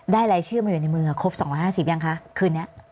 รายชื่อมาอยู่ในมือครบ๒๕๐ยังคะคืนนี้